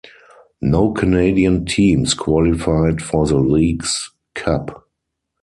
No Canadian teams qualified for the Leagues Cup.